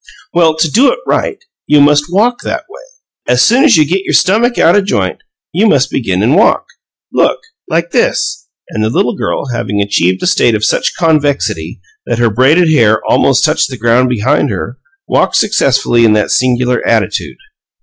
"Well, to do it right, you must WALK that way. As soon as you get your stummick out o' joint, you must begin an' walk. Look! Like this." And the little girl, having achieved a state of such convexity that her braided hair almost touched the ground behind her, walked successfully in that singular attitude.